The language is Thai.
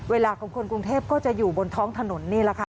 เวลาของคนกรุงเทพก็จะอยู่บนท้องถนนนี่แหละค่ะ